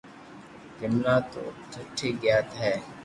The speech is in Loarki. جملا بو ٺئي گيا ھي